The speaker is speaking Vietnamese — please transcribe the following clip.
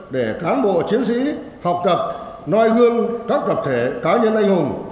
để cán bộ chiến sĩ học tập noi gương các tập thể cá nhân anh hùng